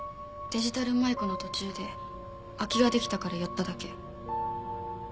デジタル舞子の途中で空きができたから寄っただけ。